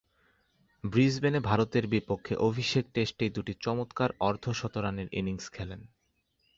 ব্রিসবেনে ভারতের বিপক্ষে অভিষেক টেস্টেই দুইটি চমৎকার অর্ধ-শতরানের ইনিংস খেলেন।